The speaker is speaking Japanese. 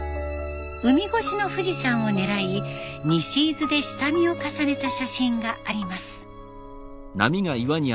海越しの富士山を狙い西伊豆で下見を重ねた写真があります。